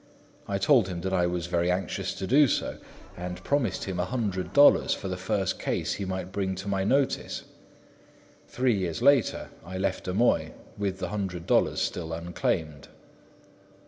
I told him that I was very anxious to do so, and promised him a hundred dollars for the first case he might bring to my notice. Three years later I left Amoy, with the hundred dollars still unclaimed.